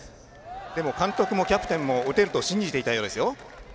でも監督もキャプテンも打てると信じていたようですよ。